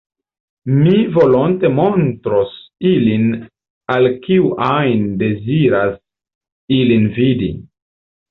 Mi volonte montros ilin al kiu ajn deziras ilin vidi.